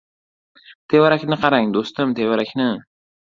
— Tevarakni qarang, do‘stim, tevarakni!